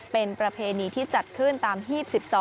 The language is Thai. เป็นประเพณีที่จัดขึ้นตามฮีบ๑๒